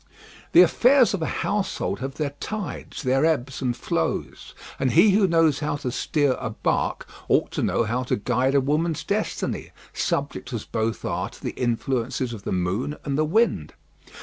The affairs of a household have their tides, their ebbs and flows, and he who knows how to steer a bark, ought to know how to guide a woman's destiny, subject as both are to the influences of the moon and the wind.